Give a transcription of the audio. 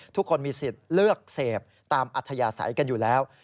ทุกคนมีสิทธิ์เลือกเสพตามอัธยาศัยกันอยู่แล้ว